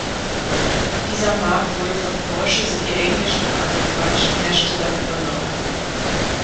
Dieser Markt wurde von Porsche sowie englischen und amerikanischen Herstellern übernommen.